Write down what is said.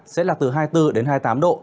sẽ là từ hai mươi bốn đến hai mươi tám độ